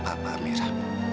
saya gak bapak mira